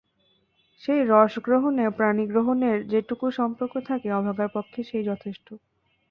সেই রসগ্রহণে পাণিগ্রহণের যেটুকু সম্পর্ক থাকে অভাগার পক্ষে সে-ই যথেষ্ট।